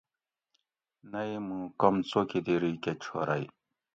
نہ ای موں کم څوکیدیری کہ چھورئی